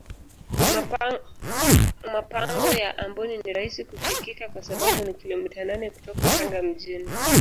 mapango ya amboni ni rahisi kufikika kwa sababu ni kilomita nane kutoka tanga mjini